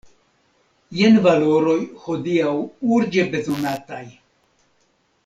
Jen valoroj hodiaŭ urĝe bezonataj!